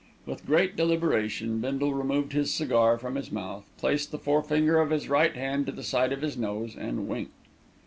With great deliberation Bindle removed his cigar from his mouth, placed the forefinger of his right hand to the side of his nose, and winked.